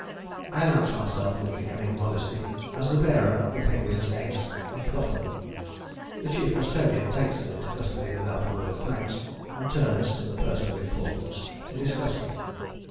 I announce myself with becoming modesty as the bearer of the penguins' eggs, and proffer them. The Chief Custodian takes them into custody without a word of thanks, and turns to the Person of Importance to discuss them.